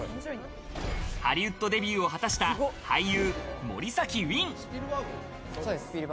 ハリウッドデビューを果たした俳優・森崎ウィン。